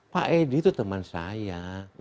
pak edi itu teman saya